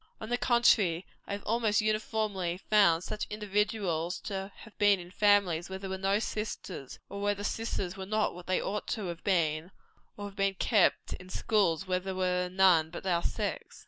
On the contrary, I have almost uniformly found such individuals to have been in families where there were no sisters, or where the sisters were not what they ought to have been; or to have been kept at schools where there were none but our sex.